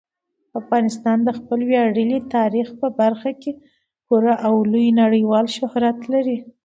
افغانستان د خپل ویاړلي تاریخ په برخه کې پوره او لوی نړیوال شهرت لري.